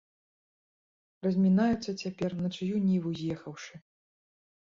Размінаюцца цяпер на чыю ніву з'ехаўшы.